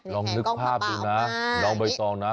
น่องนึกภาพนึกนะน้องใบซองนะ